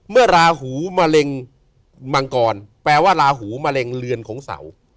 ราหูมะเร็งมังกรแปลว่าลาหูมะเร็งเรือนของเสา